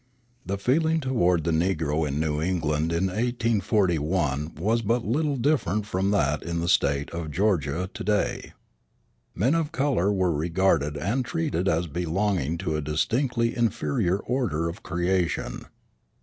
The feeling toward the negro in New England in 1841 was but little different from that in the State of Georgia to day. Men of color were regarded and treated as belonging to a distinctly inferior order of creation.